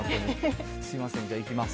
すみません、じゃあ、いきます。